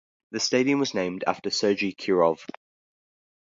The stadium was named after Sergey Kirov.